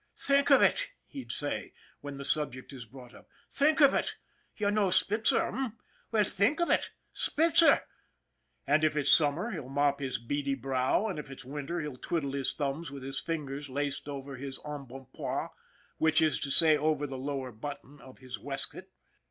" Think of it/' he'll say, when the subject is brought up. " Think of it ! You know Spitzer, h'm ? Well, think of it ! SPITZER !" And if it's summer he'll mop his beady brow, and if it's winter he'll twiddle his thumbs with his fingers laced over his embonpoint, which is to say over the lower button of his waist coat.